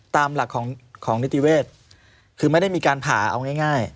ตามหลักของนิติเวศคือไม่ได้มีการผ่าเอาง่าย